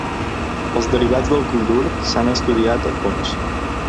Els derivats del clorur s'han estudiat a fons.